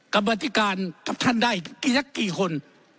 กรรมธิการกับท่านได้กี่นักกี่คน